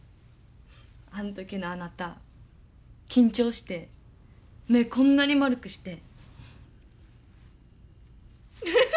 あん時のあなた緊張して目こんなに丸くして。